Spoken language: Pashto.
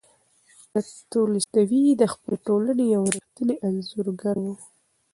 تولستوی د خپلې ټولنې یو ریښتینی انځورګر و.